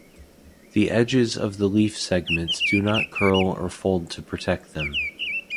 The edges of the leaf segments do not curl or fold to protect them.